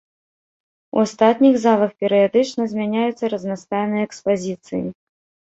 У астатніх залах перыядычна змяняюцца разнастайныя экспазіцыі.